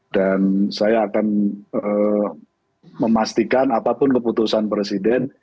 dan saya akan memastikan apapun keputusan presiden